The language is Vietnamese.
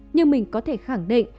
nhưng mình có thể khẳng định